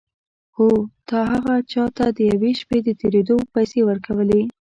هو تا هغه چا ته د یوې شپې د تېرېدو پيسې ورکولې.